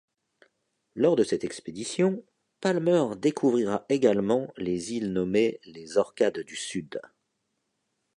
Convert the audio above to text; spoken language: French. Lors de cette expédition, Palmer découvrira également les îles nommées les Orcades du sud.